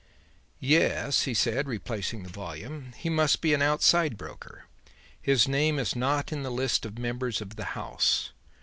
"Yes," he said, replacing the volume, "he must be an outside broker. His name is not in the list of members of 'the House.'